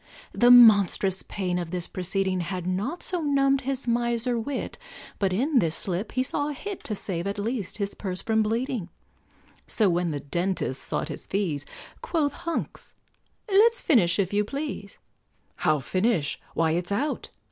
The monstrous pain of this proceeding Had not so numbed his miser wit, But in this slip he saw a hit To save, at least, his purse from bleeding; So when the dentist sought his fees, Quoth Hunks, "Let's finish, if you please," "How, finish! why, it's out!"